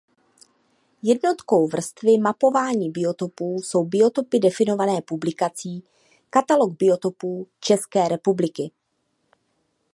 Jednotkou vrstvy mapování biotopů jsou biotopy definované publikací "Katalog biotopů České republiky".